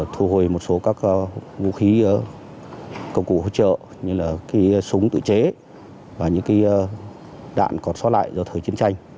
thu hồi một số các vũ khí công cụ hỗ trợ như là súng tự chế và những đạn còn xót lại do thời chiến tranh